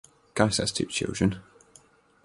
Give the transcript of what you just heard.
Geis has two children.